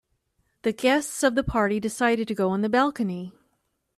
The guests of the party decided to go on the balcony.